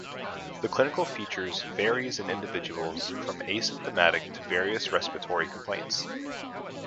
The clinical features varies in individuals from asymptomatic to various respiratory complaints.